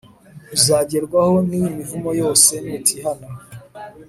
uzagerwaho n'iyi mivumo yose nutihana